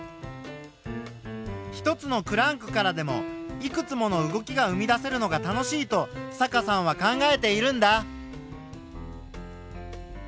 一つのクランクからでもいくつもの動きが生み出せるのが楽しいと坂さんは考えているんだ。